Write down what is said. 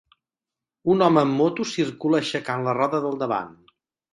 un home amb moto circula aixecant la roda del davant.